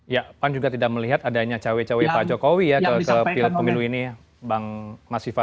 ya pan juga tidak melihat adanya cawe cawe pak jokowi ya ke pil pemilu ini bang mas sifah